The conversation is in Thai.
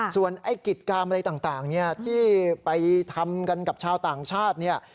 ส่วนไอ้กิจกรรมอะไรต่างที่ไปทำกันกับชาวต่างชาติเนี่ย